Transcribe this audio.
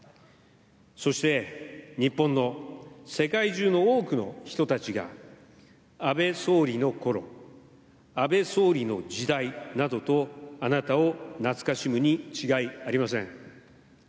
そして日本の世界中の多くの人たちが安倍総理の頃安倍総理の時代などとあなたを懐かしむに違いありません。